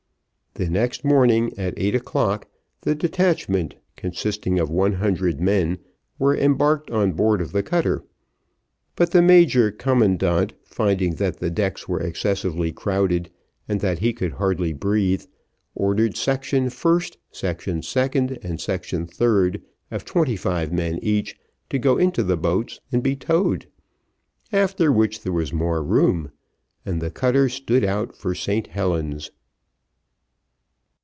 The next morning, at eight o'clock, the detachment, consisting of one hundred men, were embarked on board of the cutter, but the major commandant finding that the decks were excessively crowded, and that he could hardly breathe, ordered section first, section second, and section third, of twenty five men each, to go into the boats and be towed. After which there was more room, and the cutter stood out for St Helen's.